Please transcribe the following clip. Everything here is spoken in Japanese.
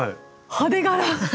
派手柄。